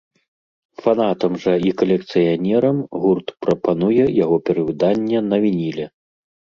Фанатам жа і калекцыянерам гурт прапануе яго перавыданне на вініле.